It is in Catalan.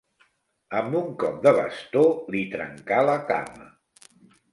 Amb un cop de bastó li trencà la cama.